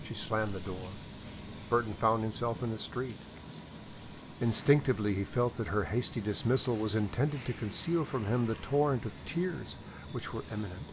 She slammed the door. Burton found himself in the street. Instinctively he felt that her hasty dismissal was intended to conceal from him the torrent of tears which were imminent.